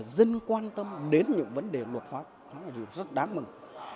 dân quan tâm đến những vấn đề luật pháp rất đáng mừng